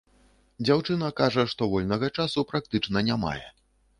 Дзяўчына кажа, што вольнага часу практычна не мае.